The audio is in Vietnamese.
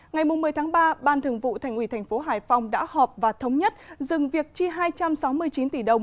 ngày một mươi tháng ba ban thường vụ thành ủy thành phố hải phòng đã họp và thống nhất dừng việc chi hai trăm sáu mươi chín tỷ đồng